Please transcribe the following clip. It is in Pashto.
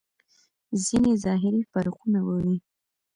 ځينې ظاهري فرقونه به وي.